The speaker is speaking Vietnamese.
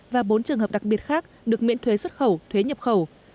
và bốn trường hợp đặc biệt khác được miễn thuế xuất khẩu thuế nhập khẩu